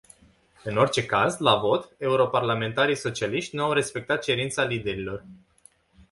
În orice caz, la vot, europarlamentarii socialiști nu au respectat cerința liderilor.